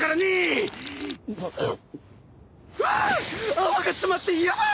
泡が詰まってヤバい！